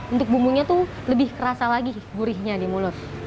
untuk bumbunya tuh lebih kerasa lagi gurihnya di mulut